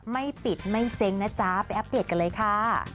ไม่ปิดไม่เจ๊งนะจ๊ะไปอัปเดตกันเลยค่ะ